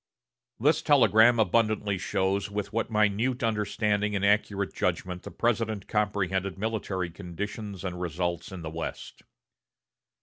This telegram abundantly shows with what minute understanding and accurate judgment the President comprehended military conditions and results in the West.